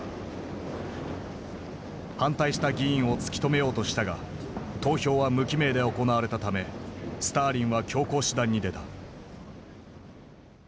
反対した議員を突き止めようとしたが投票は無記名で行われたためスターリンは強硬手段に出た。